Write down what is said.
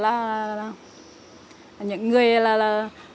là đồng viên giúp đỡ cho